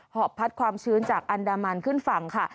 อบพัดความชื้นจากอันดามันขึ้นฝั่งค่ะ